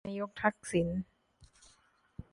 นายกทักษิณ